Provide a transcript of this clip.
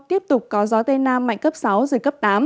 tiếp tục có gió tây nam mạnh cấp sáu dưới cấp tám